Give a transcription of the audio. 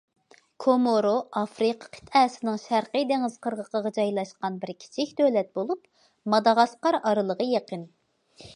كومورو ئافرىقا قىتئەسىنىڭ شەرقى دېڭىز قىرغىقىغا جايلاشقان بىر كىچىك دۆلەت بولۇپ، ماداغاسقار ئارىلىغا يېقىن.